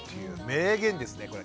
名言ですねこれ。